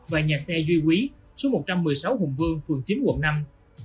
và nhà xe duy quý số một trăm một mươi sáu hùng vương phường chín quận năm